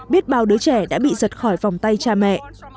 biết bao đứa trẻ đã bị giật khỏi vòng tay cha mẹ